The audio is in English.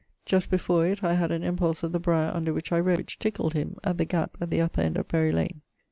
Just before it I had an impulse of the briar under which I rode, which tickled him, at the gap at the upper end of Berylane.